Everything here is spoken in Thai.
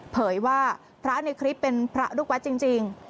เผยว่าพระในคลิปเป็นพระลูกวัดจริง